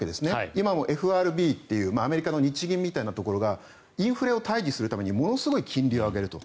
今もＦＲＢというアメリカの日銀みたいなところがインフレを退治するためにものすごい金利を上げると。